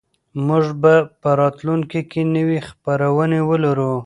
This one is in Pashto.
موږ به په راتلونکي کې نوې خپرونې ولرو.